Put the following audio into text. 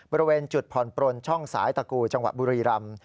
บริเวณจุดผ่อนปลนช่องสายตะกูจังหวัดบุรีรำ